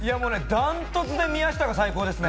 ダントツで宮下が最高ですね！